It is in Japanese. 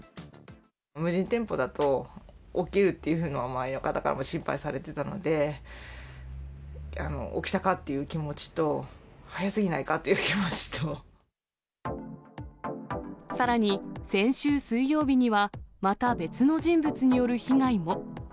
無人店舗だと、起きるっていうのは心配されてたので、起きたかっていう気持ちと、さらに先週水曜日には、また別の人物による被害も。